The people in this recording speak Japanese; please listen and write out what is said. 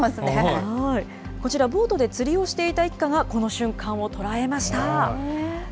こちら、ボートで釣りをしていた一家が、この瞬間を捉えました。